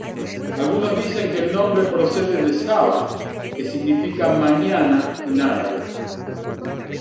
Algunos dicen que el nombre procede de "sabah", que significa ‘mañana’ en árabe.